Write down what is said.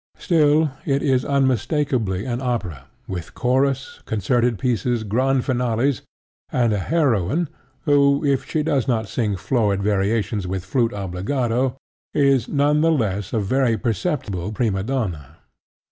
Still, it is unmistakably an opera, with chorus, concerted pieces, grand finales, and a heroine who, if she does not sing florid variations with flute obbligato, is none the less a very perceptible prima donna.